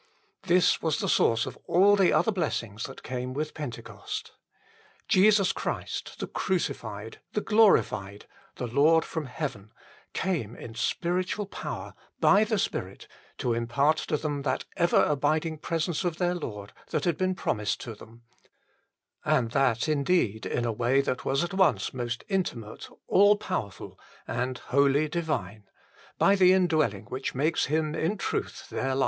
l This was the source of all the other blessings that came with Pentecost. Jesus Christ, the Crucified, the Glorified, the Lord from heaven, came in spiritual power, by the Spirit, to impart to them that ever abiding presence of their Lord that had been promised to them ; and that indeed in a way that was at once most intimate, all powerful, and wholly divine : by the indwelling which makes Him in truth their life.